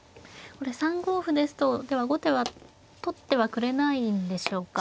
これ３五歩ですとでは後手は取ってはくれないんでしょうか。